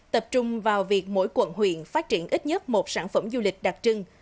tập trung vào việc mỗi quận huyện phát triển ít nhất một sản phẩm du lịch đặc trưng